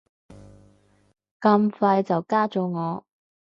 咁快就加咗我